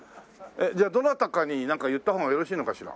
じゃあどなたかになんか言ったほうがよろしいのかしら？